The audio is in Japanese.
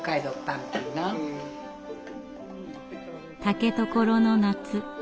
竹所の夏。